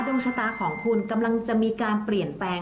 ดวงชะตาของคุณกำลังจะมีการเปลี่ยนแปลง